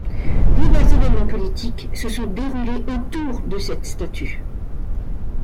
Divers évènements politiques se sont déroulés autour de cette statue.